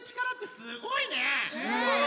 すごいね！